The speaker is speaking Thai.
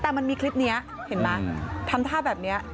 แต่มันมีคลิปนี้เห็นไหมทำท่าแบบนี้